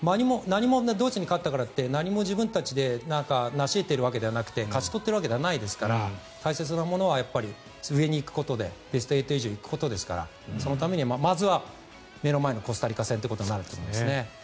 ドイツに勝ったからといって何も自分たちで成し得ているわけではなくて勝ち取っているわけではないので大切なものは上に行くことでベスト８以上行くことですからそのためにまずは目の前のコスタリカ戦となると思います。